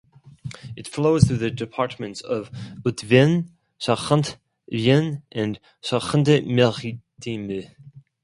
It flows through the departments of Haute-Vienne, Charente, Vienne and Charente-Maritime.